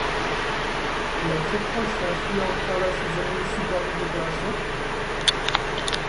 La très proche et influente Carla Sozzani supervise l'opération.